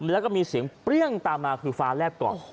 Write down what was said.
แล้วก็มีเสียงเปรี้ยงตามมาคือฟ้าแลบก่อน